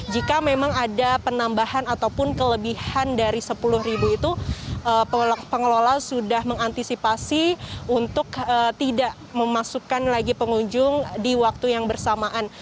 jika memang ada penambahan ataupun kelebihan dari sepuluh ribu itu pengelola sudah mengantisipasi untuk tidak memasukkan lagi pengunjung di waktu yang bersamaan